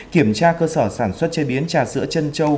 kiểm tra cơ sở sản xuất chế biến trà sữa chân châu